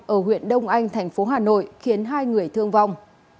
ở huyện đông anh thành phố hà nội khiến hai người thương vong